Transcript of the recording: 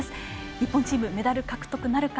日本チーム、メダル獲得なるか。